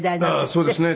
そうですね。